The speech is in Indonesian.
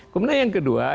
kemudian yang kedua ya kan